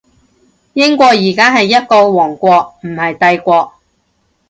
英國而家係一個王國，唔係帝國